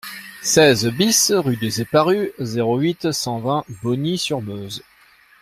seize BIS rue des Eparus, zéro huit, cent vingt, Bogny-sur-Meuse